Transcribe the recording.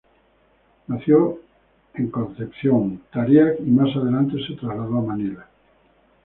Nació el en Concepción, Tarlac y más adelante se trasladó a Manila.